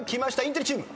インテリチーム。